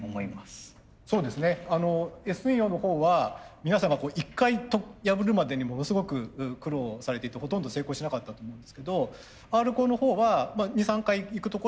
そうですねＳ陽のほうは皆さんが一回破るまでにものすごく苦労をされていてほとんど成功しなかったと思うんですけどＲコーのほうは２３回いくところはすっといったんですよね。